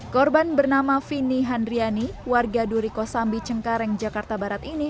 korban bernama vini handriani warga duriko sambi cengkareng jakarta barat ini